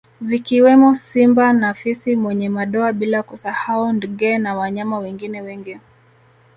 Vikiwemo simba na fisi mwenye madoa bila kusahau ndgee na wanyama wengine wengi